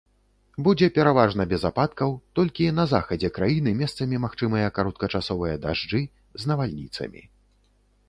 Будзе пераважна без ападкаў, толькі на захадзе краіны месцамі магчымыя кароткачасовыя дажджы з навальніцамі.